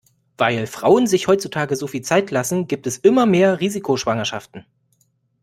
Weil Frauen sich heutzutage so viel Zeit lassen, gibt es immer mehr Risikoschwangerschaften.